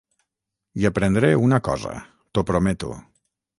I aprendré una cosa, t'ho prometo.